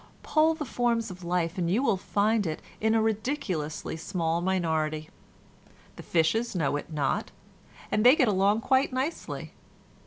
Poll the forms of life and you will find it in a ridiculously small minority. The fishes know it not, and they get along quite nicely.